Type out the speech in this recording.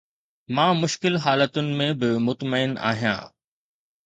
مان مشڪل حالتن ۾ به مطمئن آهيان